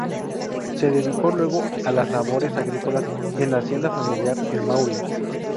Se dedicó luego a las labores agrícolas en la hacienda familiar en Maule.